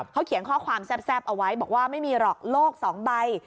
เขาเขียนข้อความแซ่บเอาไว้บอกว่าไม่มีหรอกโลก๒ใบ